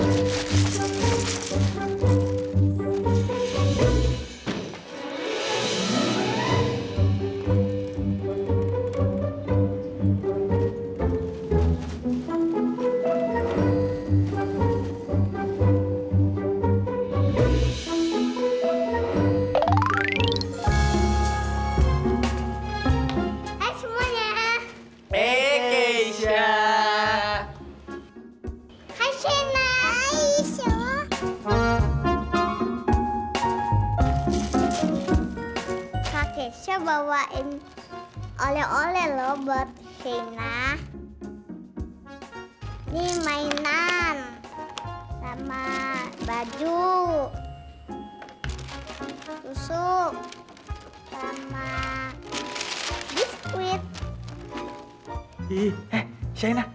eh shaina bilang makasih makan keisha